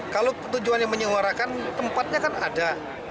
kalau tujuannya menyuarakan tempatnya kan ada